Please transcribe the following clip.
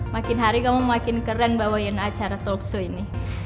makin hari kamu makin keren bawain acara talkshow ini